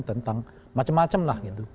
tentang macam macam lah gitu